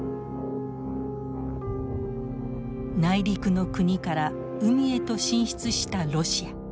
内陸の国から海へと進出したロシア。